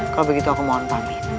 kalau begitu aku mohon pamit